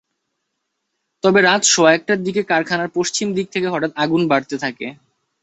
তবে রাত সোয়া একটার দিকে কারখানার পশ্চিম দিক থেকে হঠাৎ আগুন বাড়তে থাকে।